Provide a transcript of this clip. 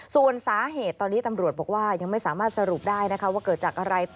ส่วนสาเหตุตอนนี้ตำรวจบอกว่ายังไม่สามารถสรุปได้นะคะว่าเกิดจากอะไร